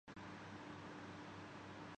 وہ یہاں نہیں چل سکتے۔